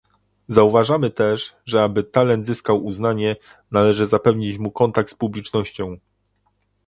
Zauważamy też, że aby talent zyskał uznanie, należy zapewnić mu kontakt z publicznością